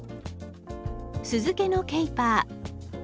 酢漬けのケイパー。